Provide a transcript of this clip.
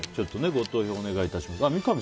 ご投票お願いします。